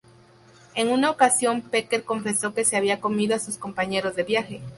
En una ocasión Packer confesó que se había comido a sus compañeros de viaje.